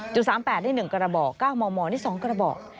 จุด๓๘นี่๑กระบอก๙มมนี่๒กระบอก